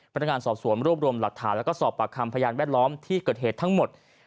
พนักงานสอบสวนรวบรวมหลักฐานแล้วก็สอบปากคำพยานแวดล้อมที่เกิดเหตุทั้งหมด